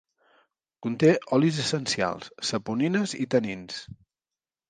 Conté olis essencials, saponines i tanins.